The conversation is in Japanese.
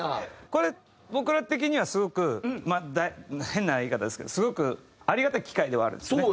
これ僕ら的にはすごく変な言い方ですけどすごくありがたい機会ではあるんですね。